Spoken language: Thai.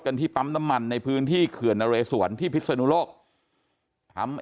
ที่ปั๊มน้ำมันในพื้นที่เขื่อนนเรสวนที่พิศนุโลกทำ